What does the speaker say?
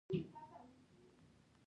هغه کتاب خپلو ملګرو ته لوست.